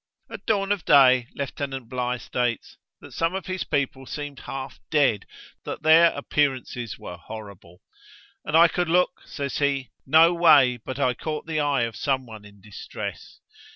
At dawn of day, Lieutenant Bligh states, that some of his people seemed half dead; that their appearances were horrible; 'and I could look,' says he, 'no way, but I caught the eye of some one in distress.